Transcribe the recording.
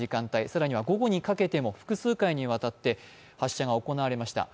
更には、午後にかけても複数回にわたって発射が行われました。